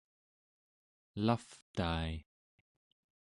elavtai